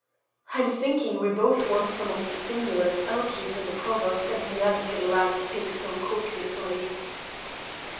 "I'm thinking we both want some of the stimulant Elchies and the Provost and the advocate lads take so copiously."